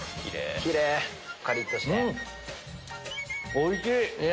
おいしい！